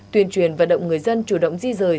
tuyên truyền vận động người dân chủ động di rời